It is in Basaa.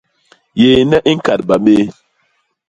Yéñe i ñkadba bé.